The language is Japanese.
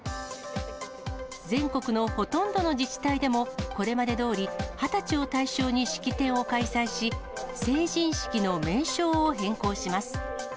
全国のほとんどの自治体でも、これまでどおり二十歳を対象に式典を開催し、成人式の名称を変更します。